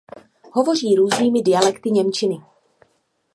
Hovoří různými dialekty němčiny.